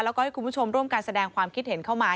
แล้วก็ให้คุณผู้ชมร่วมการแสดงความคิดเห็นเข้ามา